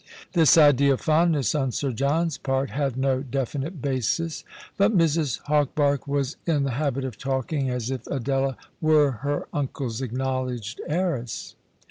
This idea of fondness on Sir John's part had no definite basis, but Mrs. Hawberk was in the habit of talking as if Adela were her uncle's acknowledged heiress.